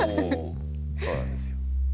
そうなんですようん。